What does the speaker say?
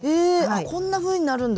あっこんなふうになるんだ。